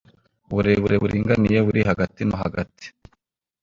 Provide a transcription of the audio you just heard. Uburebure buringaniye buri hagati no hagati